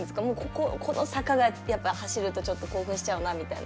この坂がやっぱ走るとちょっと興奮しちゃうなみたいな。